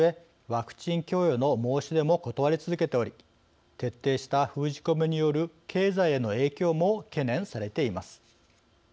ワクチン供与の申し出も断り続けており徹底した封じ込めによる経済への影響も懸念されています。